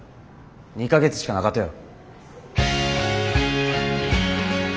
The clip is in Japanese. ２か月しかなかとよ。